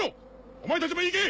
お前たちも行け！